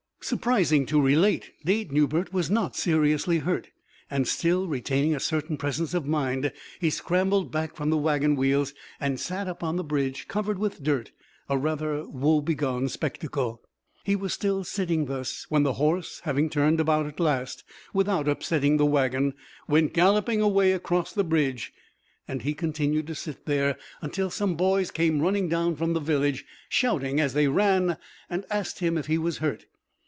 Surprising to relate, Dade Newbert was not seriously hurt, and, still retaining a certain presence of mind, he scrambled back from the wagon wheels and sat up on the bridge, covered with dirt, a rather woe begone spectacle. He was still sitting thus when the horse, having turned about at last without upsetting the wagon, went galloping away across the bridge; and he continued to sit there until some boys came running down from the village, shouting as they ran, and asked him if he was hurt.